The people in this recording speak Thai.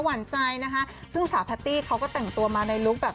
หวานใจนะคะซึ่งสาวแพตตี้เขาก็แต่งตัวมาในลุคแบบ